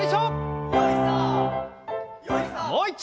もう一丁！